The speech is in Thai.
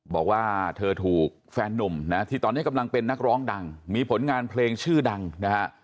บอกว่าเธอถูกแฟนนุ่มนะที่ตอนนี้กำลังเป็นนักร้องดังมีผลงานเพลงชื่อดังนะฮะ